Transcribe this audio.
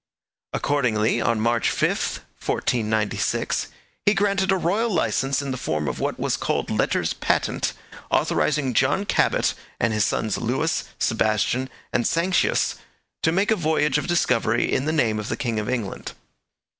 Accordingly, on March 5, 1496, he granted a royal licence in the form of what was called Letters Patent, authorizing John Cabot and his sons Lewis, Sebastian and Sancius to make a voyage of discovery in the name of the king of England.